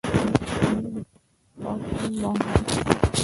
তিনি পশতুন বংশোদ্ভুত।